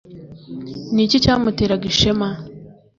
Ni iki cyamuteraga ishema?